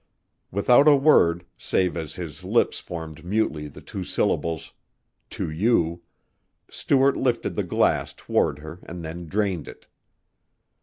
Without a word, save as his lips formed mutely the two syllables "To you" Stuart lifted the glass toward her and then drained it.